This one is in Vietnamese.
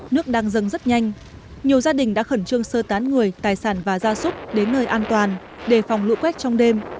nước đang dâng rất nhanh nhiều gia đình đã khẩn trương sơ tán người tài sản và gia súc đến nơi an toàn đề phòng lũ quét trong đêm